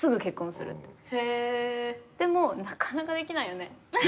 でもなかなかできないよね。